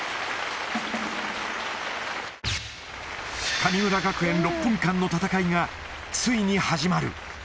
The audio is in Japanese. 神村学園、６分間の戦いがついに始まる。